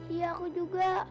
iya aku juga